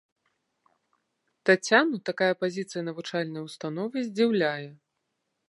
Таццяну такая пазіцыя навучальнай установы здзіўляе.